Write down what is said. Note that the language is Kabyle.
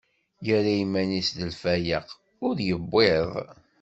Irra iman-is d lfayeq, ur iwwiḍ.